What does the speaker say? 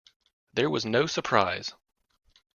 There was no surprise.